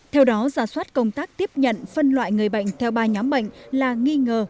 theo đó giả soát công tác tiếp nhận phân loại người bệnh theo ba nhóm bệnh là nghi ngờ